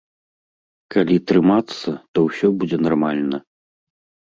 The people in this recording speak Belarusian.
Калі трымацца, то ўсё будзе нармальна.